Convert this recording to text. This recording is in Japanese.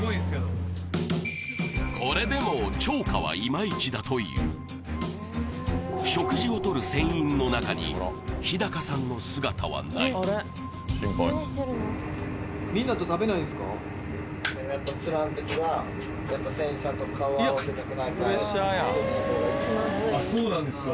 これでも釣果はイマイチだという食事をとる船員の中に日さんの姿はないやっぱあっそうなんですか